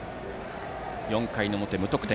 ４回の表、無得点。